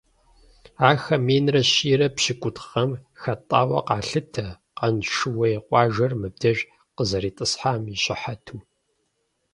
Ахэр минрэ щийрэ пщыкӀутху гъэм хатӀауэ къалъытэ, Къаншыуей къуажэр мыбдеж къызэритӀысхьам и щыхьэту.